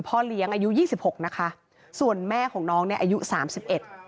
พ่อเลี้ยงอายุยี่สิบหกนะคะส่วนแม่ของน้องเนี้ยอายุสามสิบเอ็ด